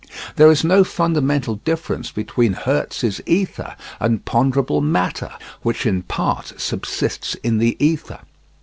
There is no fundamental difference between Hertz's ether and ponderable matter (which in part subsists in the ether).